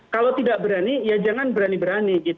kalau tidak berani ya jangan berani berani